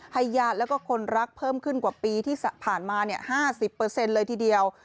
ญาติแล้วก็คนรักเพิ่มขึ้นกว่าปีที่ผ่านมา๕๐เลยทีเดียว